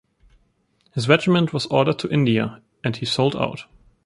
His regiment was ordered to India, and he sold out.